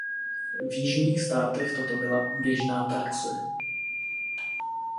V jižních státech toto byla běžná praxe.